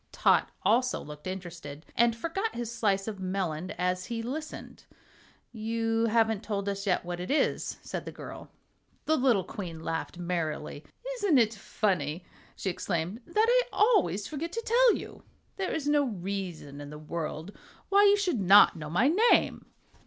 Tot also looked interested, and forgot his slice of melon as he listened. "You haven't told us yet what it is," said the girl. The little Queen laughed merrily. "Isn't it funny," she exclaimed, "that I always forget to tell you? There is no reason in the world why you should not know my name."